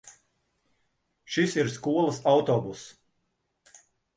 Šis ir skolas autobuss.